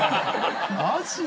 マジで？